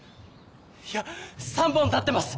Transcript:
いや３本立ってます！